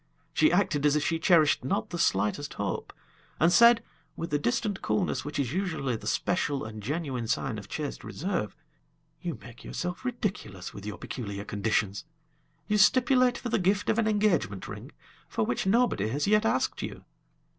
She acted as if she cherished not the slightest hope, and said with a distant coolness which is usually the special and genuine sign of chaste reserve: "You make yourself ridiculous with your peculiar conditions. You stipulate for the gift of an engagement ring, for which nobody has yet asked you."